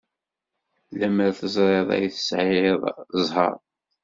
Lemmer teẓriḍ ay tesɛiḍ ẓẓher.